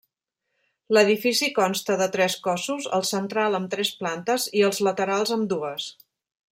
L'edifici consta de tres cossos, el central amb tres plantes i els laterals amb dues.